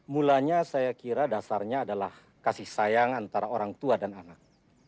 mulanya saya kira dasarnya adalah kasih sayang antara orang tua dan anak